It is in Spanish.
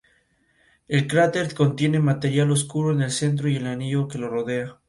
El cráter contiene material oscuro en el centro y el anillo que lo rodea.